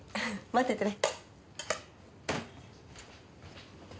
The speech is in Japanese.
待っててね。